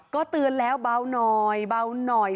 ก็เตือนแล้วเบาหน่อย